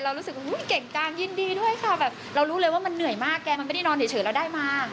รู้สึกว่าเก่งจังยินดีด้วยค่ะแบบเรารู้เลยว่ามันเหนื่อยมากแกมันไม่ได้นอนเฉยเราได้มา